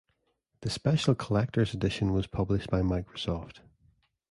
The special collectors' edition was published by Microsoft.